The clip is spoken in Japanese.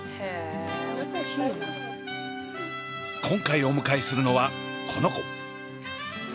今回お迎えするのはこの子。